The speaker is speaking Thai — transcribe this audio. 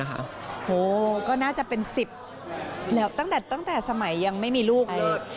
โอ้โหก็น่าจะเป็น๑๐แล้วตั้งแต่สมัยยังไม่มีลูกเลย